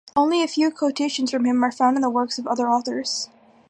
Only a few quotations from him are found in the works of other authors.